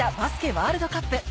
ワールドカップ